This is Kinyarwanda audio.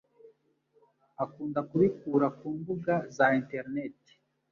akunda kubikura ku Imbuga za interineti.